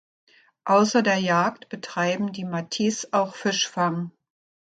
Außer der Jagd betreiben die Matis auch Fischfang.